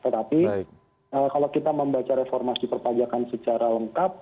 tetapi kalau kita membaca reformasi perpajakan secara lengkap